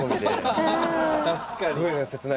確かに。